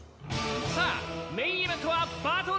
さあメインイベントはバトルです！